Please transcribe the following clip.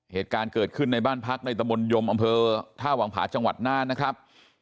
เหตุการณ์เกิดขึ้นในบ้านพักในตะมนตมอำเภอท่าวังผาจังหวัดน่านนะครับ